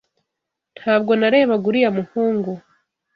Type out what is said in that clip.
Ntabwo narebaga uriya muhungu.